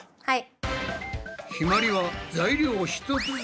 はい。